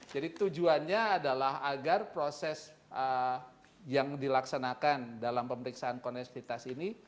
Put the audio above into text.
jadi tujuannya adalah agar proses yang dilaksanakan dalam pemeriksaan koneksitas ini